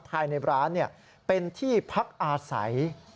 ภายในร้านเป็นที่พักอาศัย